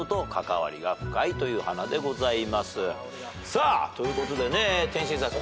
さあということでね天心さん